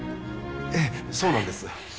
ええそうなんです